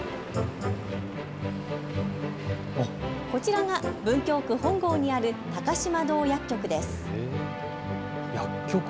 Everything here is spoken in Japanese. こちらが文京区本郷にある高島堂薬局です。